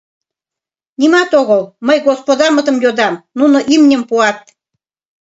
— Нимат огыл, мый господамытым йодам, нуно имньым пуат.